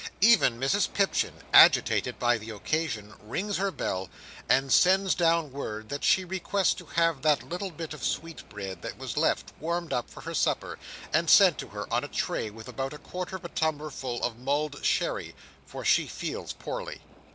Even Mrs Pipchin, agitated by the occasion, rings her bell, and sends down word that she requests to have that little bit of sweetbread that was left, warmed up for her supper, and sent to her on a tray with about a quarter of a tumbler full of mulled sherry; for she feels poorly.